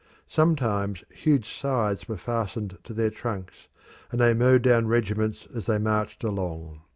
Sometimes huge scythes were fastened to their trunks, and they mowed down regiments as they marched along.